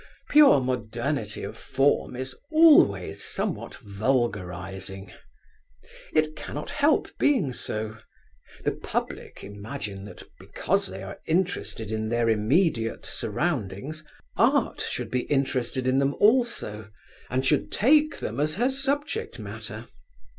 Pure modernity of form is always somewhat vulgarising. It cannot help being so. The public imagine that, because they are interested in their immediate surroundings, Art should be interested in them also, and should take them as her subject matter.